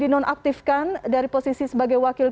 di nonaktifkan dari posisi sebagai wakil